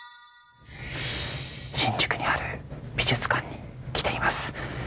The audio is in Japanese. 新宿にある美術館に来ています。